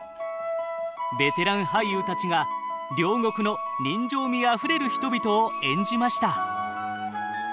ベテラン俳優たちが両国の人情味あふれる人々を演じました。